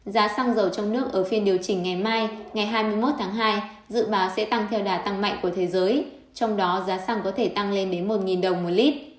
giá xăng dầu trong nước ở phiên điều chỉnh ngày mai ngày hai mươi một tháng hai dự báo sẽ tăng theo đà tăng mạnh của thế giới trong đó giá xăng có thể tăng lên đến một đồng một lít